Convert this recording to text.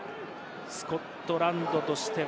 スコットランドとしては。